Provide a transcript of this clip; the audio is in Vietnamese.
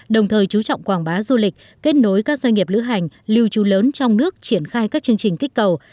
đồng thời chú trọng quảng bá du lịch kết nối các doanh nghiệp lữ hành lưu trú lớn trong nước triển khai các chương trình kích cầu